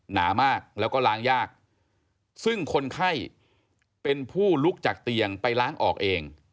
หนามากแล้วก็ล้างยากซึ่งคนไข้เป็นผู้ลุกจากเตียงไปล้างออกเอง